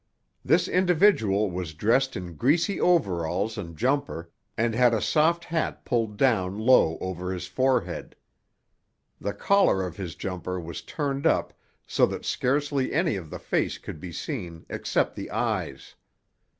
This individual was dressed in greasy overalls and jumper, and had a soft hat pulled down low over his forehead. The collar of his jumper was turned up so that scarcely any of the face could be seen except the eyes.